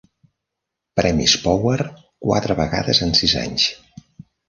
premis Power quatre vegades en sis anys.